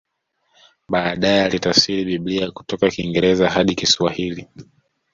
Baadae alitafsiri Biblia kutoka Kiingereza hadi Kiswahili